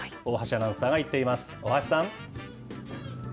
大橋アナウンサーが行っています。